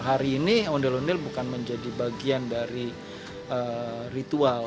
hari ini ondel ondel bukan menjadi bagian dari ritual